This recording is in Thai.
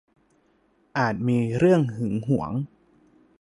อาจมีเรื่องหึงหวง